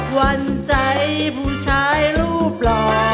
วันใจผู้ชายรูปหล่อ